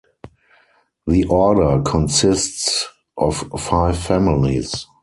The order consists of five families.